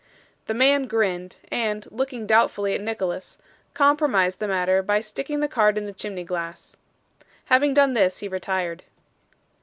The man grinned, and, looking doubtfully at Nicholas, compromised the matter by sticking the card in the chimney glass. Having done this, he retired.